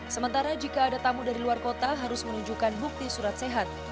sementara jika ada tamu dari luar kota harus menunjukkan bukti surat sehat